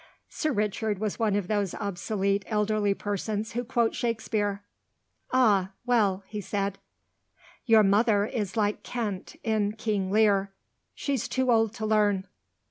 Sir Richard was one of those obsolete elderly persons who quote Shakespeare. "Ah, well," he said, "your mother is like Kent in King Lear she's too old to learn.